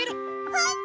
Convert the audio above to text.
ほんと？